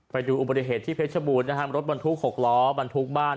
ไปดูอุบัติเหตุที่เพชรบูรณ์นะครับรถบรรทุก๖ล้อบรรทุกบ้าน